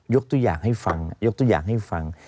ตัวอย่างให้ฟังยกตัวอย่างให้ฟัง